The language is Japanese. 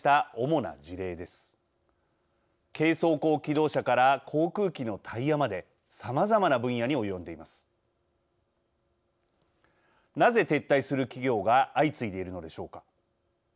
なぜ撤退する企業が相次いでいるのでしょうか。